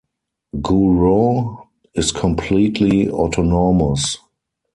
GuRoo is completely autonomous.